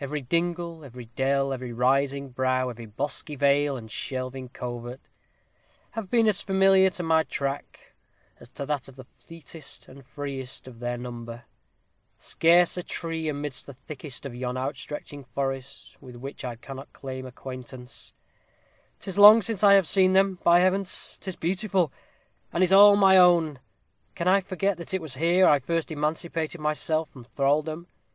Every dingle, every dell, every rising brow, every bosky vale and shelving covert, have been as familiar to my track as to that of the fleetest and freest of their number: scarce a tree amidst the thickest of yon outstretching forest with which I cannot claim acquaintance; 'tis long since I have seen them. By Heavens! 'tis beautiful! and it is all my own! Can I forget that it was here I first emancipated myself from thraldom?